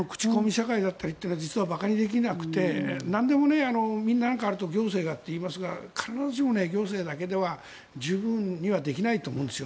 社会というのは馬鹿にできなくてなんでもなんかあると行政がって言いますが必ずしも行政だけでは十分にはできないと思うんですよ。